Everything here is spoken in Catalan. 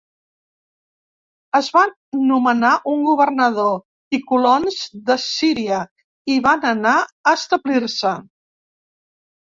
Es va nomenar un governador, i colons d'Assíria hi van anar a establir-se.